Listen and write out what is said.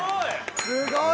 すごい！